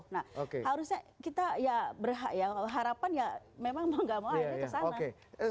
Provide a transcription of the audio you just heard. harusnya kita ya berharapan ya memang mau enggak mau akhirnya ke sana